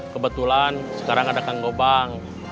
kebetulan sekarang ada kang gobang